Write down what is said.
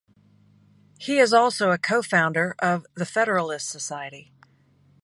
He is also a co-founder of The Federalist Society.